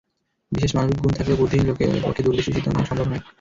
বিশেষ মানবিক গুণ থাকলেও বুদ্ধিহীন লোকের পক্ষে দূরদর্শী সিদ্ধান্ত নেওয়া সম্ভব নয়।